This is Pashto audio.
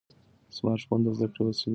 سمارټ فون د زده کړې وسیله ده.